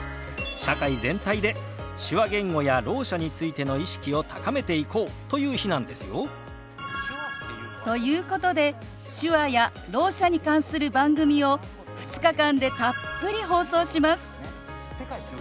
社会全体で手話言語やろう者についての意識を高めていこうという日なんですよ。ということで手話やろう者に関する番組を２日間でたっぷり放送します。